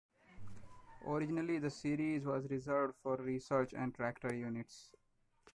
Originally the series was reserved for Research and Tractor units.